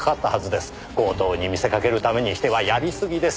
強盗に見せかけるためにしてはやりすぎですよ。